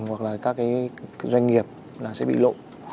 hoặc là các cái doanh nghiệp là sẽ bị lộ